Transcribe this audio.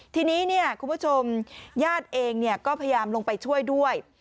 ทีนี้คุณผู้ชมญาติเองก็พยายามลงไปช่วยด้วย